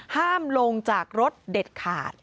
ห้ามลงจากรถเด็ดขาด